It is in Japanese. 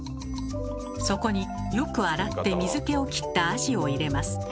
そこによく洗って水けを切ったアジを入れます。